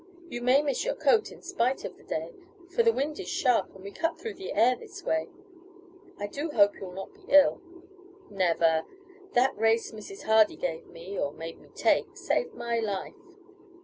"You may miss your coat in spite of the day, for the wind is sharp when we cut through the air this way. I do hope you will not be ill " "Never! That race Mrs. Hardy gave me, or made me take, saved my life.